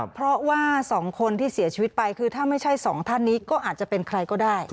เพราะว่า๒คนที่เสียชีวิตไปคือถ้าไม่ใช่สองท่านนี้ก็อาจจะเป็นใครก็ได้